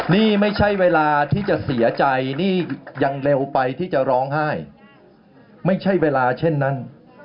นี่ไม่ใช่เวลาที่จะเสียใจนี่ยังเร็วไปที่จะร้องไห้ไม่ใช่เวลาเช่นนั้น